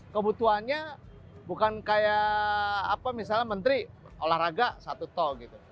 kebutuhannya bukan kayak apa misalnya menteri olahraga satu tol gitu